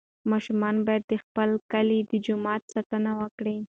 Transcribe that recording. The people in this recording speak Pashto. ماشومان باید د خپل کلي د جومات ساتنه وکړي.